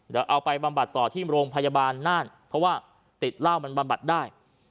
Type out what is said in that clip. เดี๋ยวเอาไปบำบัดต่อที่โรงพยาบาลน่านเพราะว่าติดเหล้ามันบำบัดได้